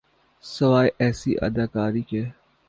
سوائے ایسی اداکاری کے۔